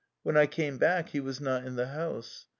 When I came back he was not in the house.